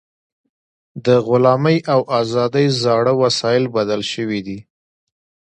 د غلامۍ او ازادۍ زاړه وسایل بدل شوي دي.